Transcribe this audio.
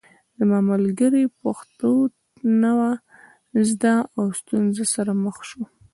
زما ملګري پښتو نه وه زده او ستونزو سره مخ شو